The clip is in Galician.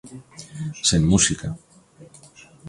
Sen música.